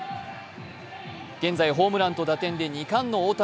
現在、ホームランと打点で２冠の大谷。